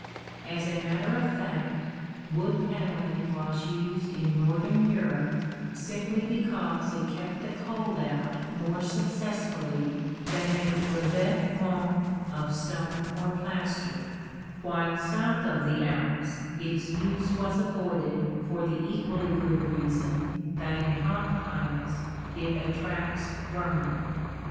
As a matter of fact, wood panelling was used in northern Europe simply because it kept the cold out more successfully than a revêtement of stone or plaster; while south of the Alps its use was avoided for the equally good reason that in hot climates it attracts vermin.